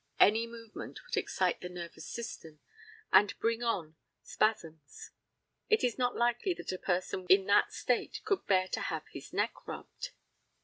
Any movement would excite the nervous system, and bring on spasms. It is not likely that a person in that state could bear to have his neck rubbed.